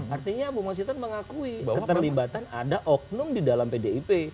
artinya bu mas hiton mengakui keterlibatan ada oknum di dalam pdip